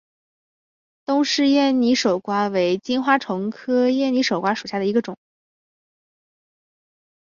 东氏艳拟守瓜为金花虫科艳拟守瓜属下的一个种。